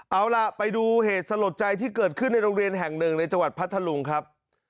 เอาล่ะไปดูเหตุสลดใจที่เกิดขึ้นในโรงเรียนแห่งหนึ่งในจังหวัดพัทธลุงครับ